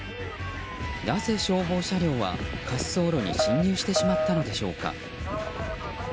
なぜ消防車両は滑走路に進入してしまったのでしょうか。